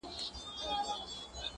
آخر به وار پر سینه ورکړي-